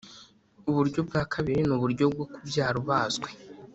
Uburyo bwa kabiri ni uburyo bwo kubyara ubazwe